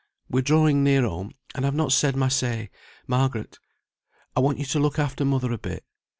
We're drawing near home, and I've not said my say, Margaret. I want you to look after mother a bit.